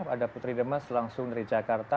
ada putri demas langsung dari jakarta